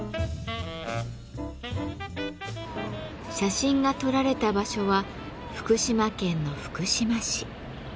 写真が撮られた場所は福島県の福島市。